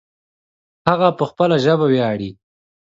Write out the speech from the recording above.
هغه په خپله ژبه ویاړې